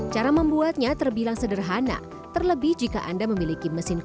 cara membuatnya terbilang sederhana terlebih jika anda memiliki mesin coldpress juicer di